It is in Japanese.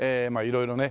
色々ね